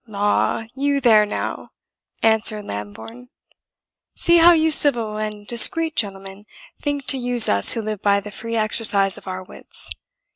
"La you there now!" answered Lambourne. "See how you civil and discreet gentlemen think to use us who live by the free exercise of our wits!